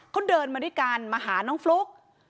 เขาเดินมาด้วยกันมาหาน้องฟลุ๊ก